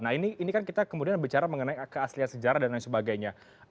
nah ini kan kita kemudian bicara mengenai keaslian sejarah dan lain sebagainya